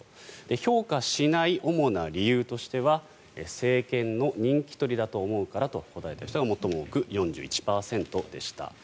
評価しない主な理由としては政権の人気取りだと思うからという人が最も多く４１％でした。